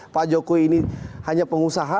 pak jokowi ini hanya pengusaha